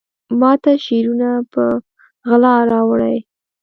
ماته شعرونه په غلا راوړي